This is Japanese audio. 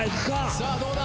さあどうだ？